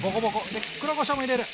で黒こしょうも入れる。